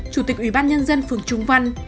chủ tịch ủy ban nhân dân phương trung văn